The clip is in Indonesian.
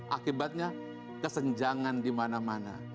akibatnya kesenjangan dimana mana